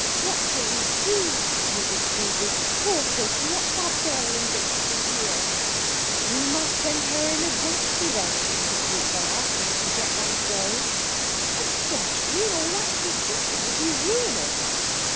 "What shall we do?" repeated Susie. "Poor Hilton what barbarians they must be here." "We must send her in a Droschky, then, if it isn't too far, and we can get one to go." "A Droschky all that distance! It will be ruinous."